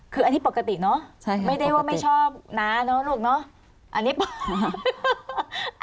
คืออันนี้ปกติเนอะไม่ได้ว่าไม่ชอบน้าเนอะลูกเนอะ